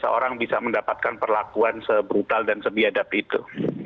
seorang bisa mendapatkan perlakuan se brutal dan se biadab itu